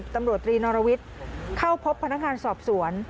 ตำรวจตรีนรวิทย์เข้าพบพนักงานสอบสวน